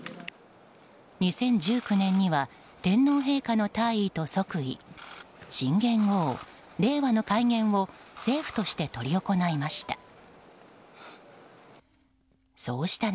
２０１９年には天皇陛下の退位と即位新元号令和の改元を政府として執り行いました。